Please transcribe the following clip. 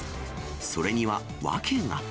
それには訳が。